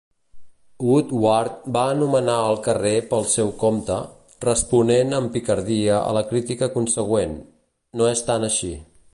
Woodward va anomenar el carrer pel seu compte, responent amb picardia a la crítica consegüent: no és tan així.